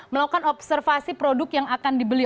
melakukan observasi produk yang akan dibeli